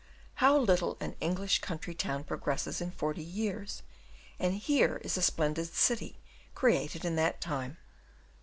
How little an English country town progresses in forty years, and here is a splendid city created in that time!